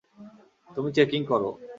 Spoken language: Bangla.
তুমি চেকিং কর।